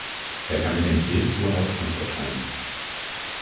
Wer kann mir denn hierzu Auskunft erteilen?